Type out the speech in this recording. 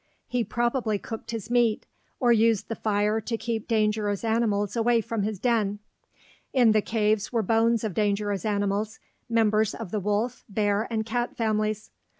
He probably cooked his meat, or used the fire to keep dangerous animals away from his den. In the cave were bones of dangerous animals, members of the wolf, bear, and cat families.